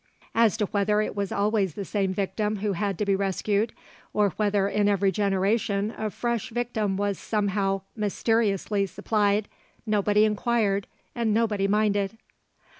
As to whether it was always the same victim who had to be rescued, or whether in every generation a fresh victim was somehow mysteriously supplied, nobody inquired and nobody minded.